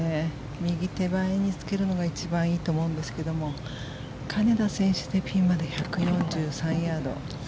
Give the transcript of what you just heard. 右手前につけるのが一番いいと思うんですけども金田選手でピンまで１４３ヤード。